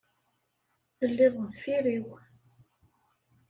Telliḍ deffir-iw.